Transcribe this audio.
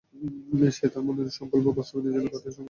সে তার মনের সংকল্প বাস্তবায়নের জন্য পাথেয় সংগ্রহ করতে লাগল।